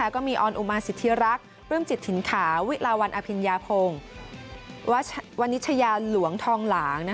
ออนอุมาสิทธิรักษ์ปลื้มจิตถิ่นขาวิลาวันอภิญญาพงศ์วันนิชยาหลวงทองหลาง